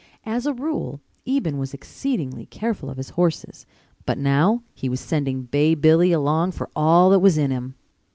As a rule Eben was exceedingly careful of his horses, but now he was sending Bay Billy along for all that was in him.